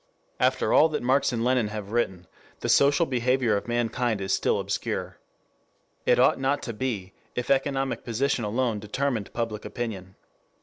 After all that Marx and Lenin have written, the social behavior of mankind is still obscure. It ought not to be, if economic position alone determined public opinion.